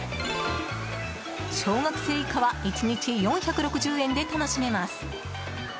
小学生以下は１日４６０円で楽しめます。